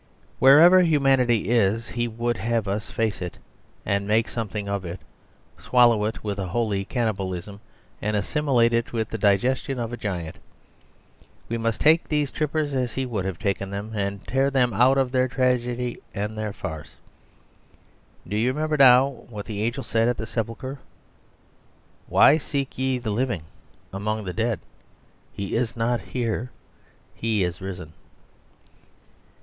Wherever humanity is he would have us face it and make something of it, swallow it with a holy cannibalism, and assimilate it with the digestion of a giant. We must take these trippers as he would have taken them, and tear out of them their tragedy and their farce. Do you remember now what the angel said at the sepulchre? 'Why seek ye the living among the dead? He is not here; he is risen.